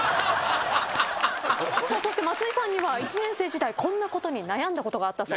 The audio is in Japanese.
そして松井さんには１年生時代こんなことに悩んだことがあったそうです。